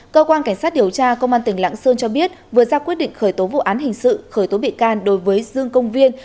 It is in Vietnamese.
cơ quan cảnh sát điều tra công an tỉnh lạng sơn cho biết vừa ra quyết định khởi tố vụ án hình sự khởi tố bị can đối với dương công viên